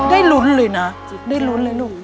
ได้ลุ้นเลยนะได้ลุ้นเลยหนู